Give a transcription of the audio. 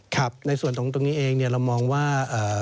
ครับในส่วนตรงนี้เองเรามองว่า